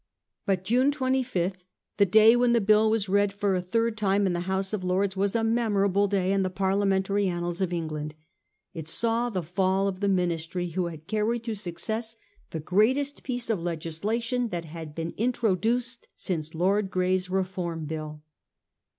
But June 25, the day when the bill was read for a tMrd time in the House of Lords, was a memorable day in the Parliamentary annals of England. It saw the fall of the Ministry who had carried to success the greatest piece of legislation that had been in troduced since Lord Grey's Reform Bill.